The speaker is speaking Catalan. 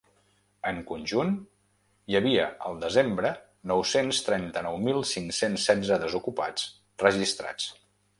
En conjunt, hi havia el desembre nou-cents trenta-nou mil cinc-cents setze desocupats registrats.